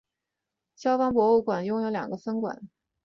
萧邦博物馆拥有两个分馆。